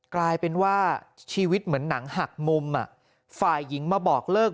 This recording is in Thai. กลายเป็นว่าชีวิตเหมือนหนังหักมุมฝ่ายหญิงมาบอกเลิก